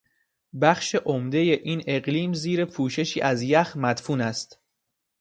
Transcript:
بخش عمدهی این اقلیم زیر پوششی از یخ مدفون است.